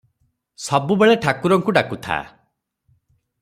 ସବୁବେଳେ ଠାକୁରଙ୍କୁ ଡାକୁଥା ।"